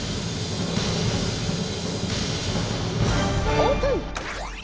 オープン！